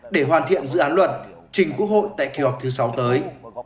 để hoàn thiện dự án luật trình quốc hội tại kỳ họp thứ sáu tới